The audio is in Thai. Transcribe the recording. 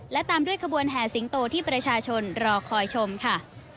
และตามด้วยขบวนแห่สิงโตที่ประชาชนรอคอยชมค่ะ